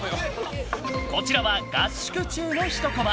こちらは合宿中のひとコマ。